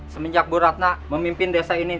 semenjak bu ratna memimpin desa ini